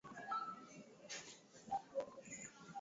wilaya ya same imepakana na wilaya ya mwanga upande wa kazkazini